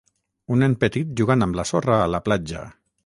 Un nen petit jugant amb la sorra a la platja.